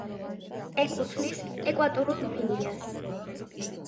ეკუთვნის ეკვატორულ გვინეას.